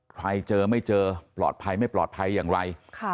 ใครเจอไม่เจอปลอดภัยไม่ปลอดภัยอย่างไร